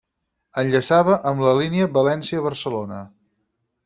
Enllaçava amb la línia València-Barcelona.